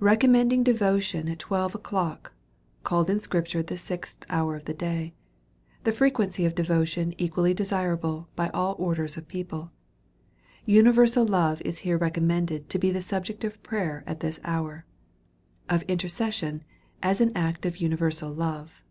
Recommending Devotion at twelve o'clock, called in Scripture the sixth hour of the day. Thefrequencj/ of devotion equalfj/ desirable by all orders of peo ple. Universal love is here recommended to be the subject of prayer at this hour. Of intercession^ as an act of universal love.